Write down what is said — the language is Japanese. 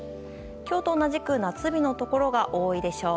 今日と同じく夏日のところが多いでしょう。